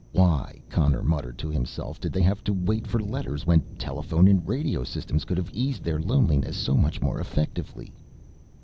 Why, Connor muttered to himself, did they have to wait for letters when telephone and radio systems could have eased their loneliness so much more effectively?